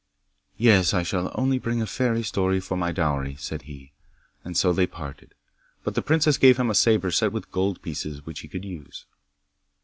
'Yes, I shall only bring a fairy story for my dowry,' said he, and so they parted. But the princess gave him a sabre set with gold pieces which he could use.